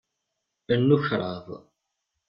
Rnu kraḍ.